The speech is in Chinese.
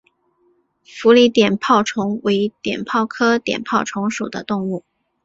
佛理碘泡虫为碘泡科碘泡虫属的动物。